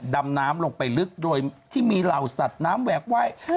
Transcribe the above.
ดำน้ำลงไปลึกโดยที่มีเหล่าสัตว์น้ำแหวกไว้